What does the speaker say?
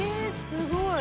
すごい。